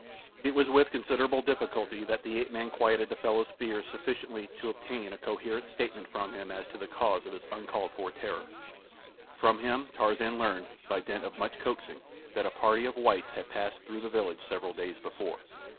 It was with considerable difficulty that the ape man quieted the fellow's fears sufficiently to obtain a coherent statement from him as to the cause of his uncalled for terror. From him Tarzan learned, by dint of much coaxing, that a party of whites had passed through the village several days before.